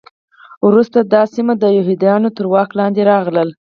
وروسته دا سیمه د یهودانو تر واک لاندې راغله.